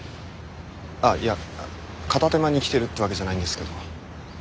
ああいや片手間に来てるってわけじゃないんですけど。